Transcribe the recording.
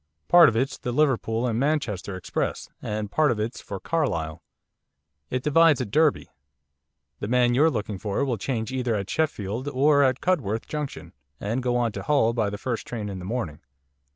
Part of it's the Liverpool and Manchester Express, and part of it's for Carlisle. It divides at Derby. The man you're looking for will change either at Sheffield or at Cudworth Junction and go on to Hull by the first train in the morning.